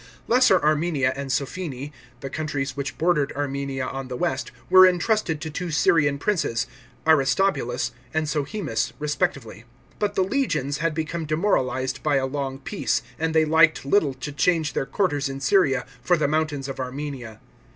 Lesser Armenia and Sophene, the countries which bordered Armenia on the west, were entrusted to two Syrian princes, Aristobulus and Sohaemus respectively, Butfthe legions had become demoralised by a long peace, and they liked little to change their quarters in Syria for the mountains of Armenia.